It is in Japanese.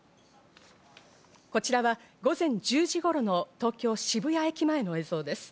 こちらは午前１０時頃の東京・渋谷駅前の映像です。